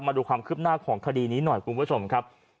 มาดูความคืบหน้าของคดีนี้หน่อยคุณผู้ชมครับ